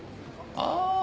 ああ